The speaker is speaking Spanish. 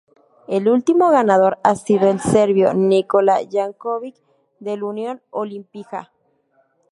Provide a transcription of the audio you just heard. El último ganador ha sido el serbio Nikola Janković, del Union Olimpija.